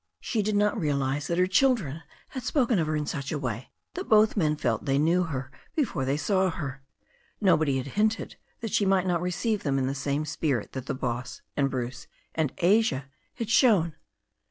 She did not realise that her children had spoken of her in such a way that both men felt they knew her before they saw her. Nobody had hinted that she might not receive them in the same spirit that the boss and Bruce and Asia had shown.